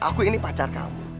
aku ini pacar kamu